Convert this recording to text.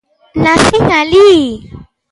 Nacín alí.